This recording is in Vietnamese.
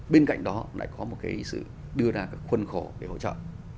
bên cạnh đó lại có một cái sự đưa ra khuân khổ để hỗ trợ